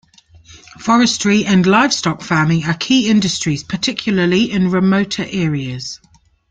Forestry and livestock farming are key industries, particularly in remoter areas.